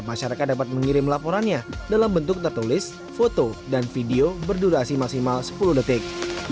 masyarakat dapat mengirim laporannya dalam bentuk tertulis foto dan video berdurasi maksimal sepuluh detik